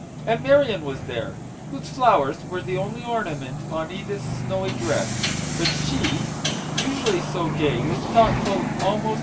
And Marion was there, whose flowers were the only ornament on Edith's snowy dress; but she, usually so gay, was thoughtful almost MAGIC WORDS.